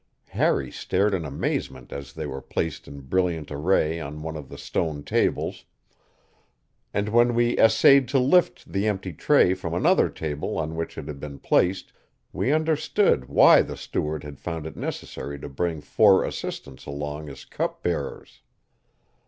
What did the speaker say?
Harry stared in amazement as they were placed in brilliant array on one of the stone tables; and when we essayed to lift the empty tray from another table on which it had been placed we understood why the steward had found it necessary to bring four assistants along as cup bearers.